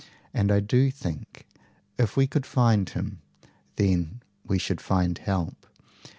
And I do think, if we could find him, then we should find help.